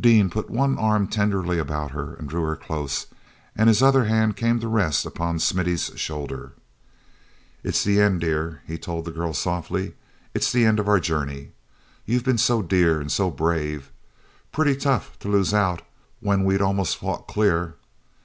Dean put one arm tenderly about her and drew her close and his other hand came to rest upon Smithy's shoulder. "It's the end, dear," he told the girl softly. "It's the end of our journey. You've been so dear and so brave. Pretty tough to lose out when we'd almost fought clear."